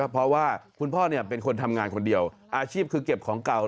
เพราะว่าคุณพ่อเป็นคนทำงานคนเดียวอาชีพคือเก็บของเก่า